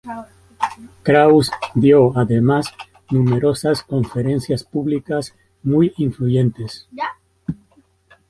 Kraus dio además numerosas conferencias públicas muy influyentes.